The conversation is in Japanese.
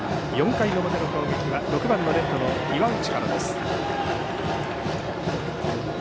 ４回の表の攻撃は６番、レフトの岩内から。